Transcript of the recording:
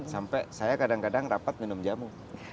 sampai saya kadang kadang rapat minum jamu